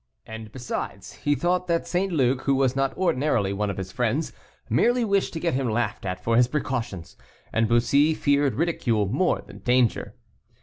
And besides, he thought that St. Luc, who was not ordinarily one of his friends, merely wished to get him laughed at for his precautions; and Bussy feared ridicule more than danger.